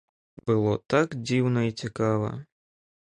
Было так дзіўна і цікава!